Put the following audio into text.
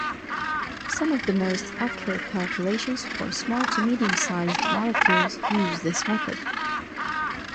Some of the most accurate calculations for small to medium-sized molecules use this method.